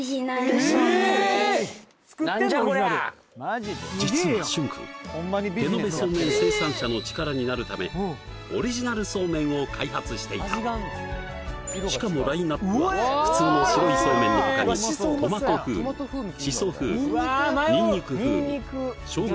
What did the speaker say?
何じゃこりゃ実はＳｈｕｎ君手延べそうめん生産者の力になるためオリジナルそうめんを開発していたしかもラインナップは普通の白いそうめんの他にトマト風味しそ風味ニンニク風味しょうが